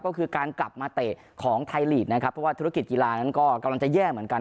ก็คือการกลับมาเตะของไทยลีกนะครับเพราะว่าธุรกิจกีฬานั้นก็กำลังจะแย่เหมือนกัน